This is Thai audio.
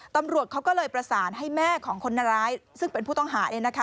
ตำรวจเขาก็เลยประสานให้แม่ของคนร้ายซึ่งเป็นผู้ต้องหาเองนะคะ